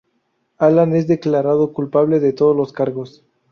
Alan es declarado culpable de todos los cargos.